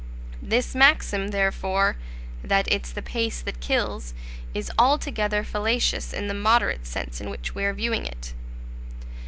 This maxim, therefore, "that it's the pace that kills," is altogether fallacious in the moderate sense in which we are viewing it.